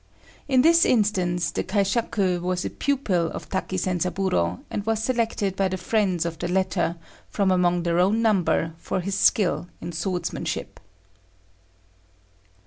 In this instance the kaishaku was a pupil of Taki Zenzaburô, and was selected by the friends of the latter from among their own number for his skill in swordsmanship.